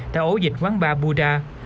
đã ổ dịch quán bar buddha